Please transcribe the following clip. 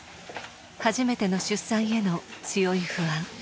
初めての出産への強い不安。